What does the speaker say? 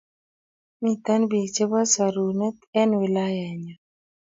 Mito biik chebo sorunot eng' wilayenyo.